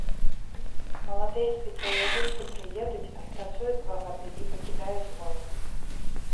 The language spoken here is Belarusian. Маладыя спецыялісты прыедуць, адпрацуюць два гады і пакідаюць горад.